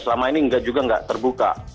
selama ini juga tidak terbuka